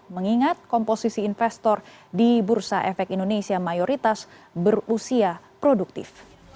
mengingat komposisi investor di bursa efek indonesia mayoritas berusia produktif